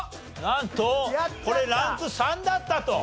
なんとこれランク３だったと。